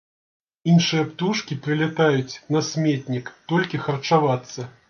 Іншыя птушкі прылятаюць на сметнік толькі харчавацца.